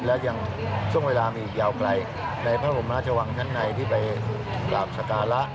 และยังช่วงเวลามีอยู่ยาวไกลในภพบรรภาชวังชั้นไหนที่ไปหลับสการะ